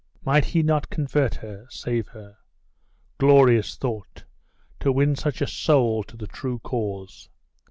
Might he not convert her save her? Glorious thought! to win such a soul to the true cause!